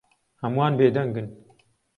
هەمووان بێدەنگن.